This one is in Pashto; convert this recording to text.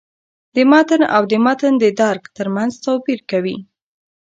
د «متن» او «د متن د درک» تر منځ توپیر کوي.